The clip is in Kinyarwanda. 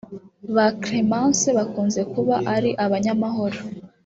Ba Clémence bakunze kuba ari abanyamahoro